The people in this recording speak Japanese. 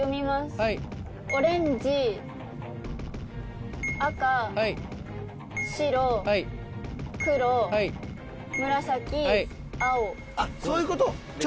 はいオレンジ赤はい白黒はい紫はい青あっそういうこと？